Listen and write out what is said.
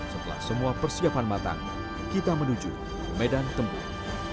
setelah semua persiapan matang kita menuju ke medan tembuk